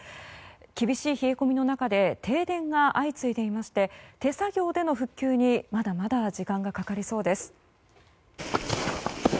厳しい冷え込みの中で停電が相次いでいまして手作業での復旧にまだまだ時間がかかりそうです。